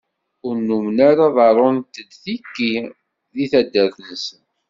Ur nummen ara ḍerrunt-d tiki deg taddart-nsen.